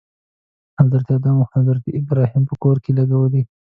حضرت آدم او حضرت ابراهیم په کور کې لګولی.